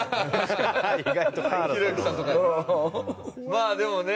まあでもね